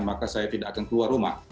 maka saya tidak akan keluar rumah